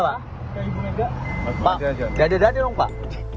pak dia ada dalam di rumah pak